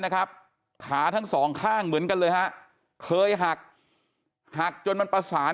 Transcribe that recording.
นะครับขาทั้งสองข้างเหมือนกันเลยฮะเคยหักหักจนมันประสาน